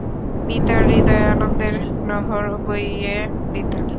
পিতার হৃদয়ে আনন্দের নহর বইয়ে দিতেন।